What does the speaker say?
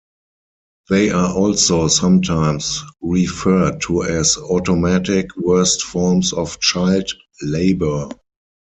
They are also sometimes referred to as "automatic" worst forms of child labour.